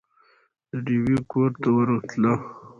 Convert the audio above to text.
د ډېوې کور ته ورتله